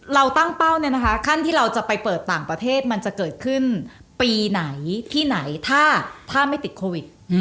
เราตั้งเป้าเนี่ยนะคะขั้นที่เราจะไปเปิดต่างประเทศมันจะเกิดขึ้นปีไหนที่ไหนถ้าไม่ติดโควิด